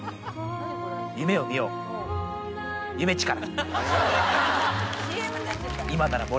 夢をみよう、ゆめちから。